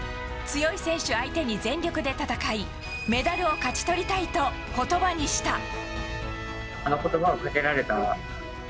強い選手相手に全力で戦いメダルを勝ち取りたいと言葉にした。